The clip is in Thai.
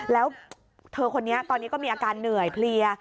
แล้วเธอคนนี้ตอนนี้ก็มีอาการเหนื่อยเพลีย